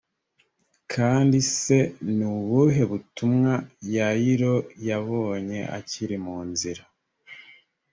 kandi se ni ubuhe butumwa yayiro yabonye akiri mu nzira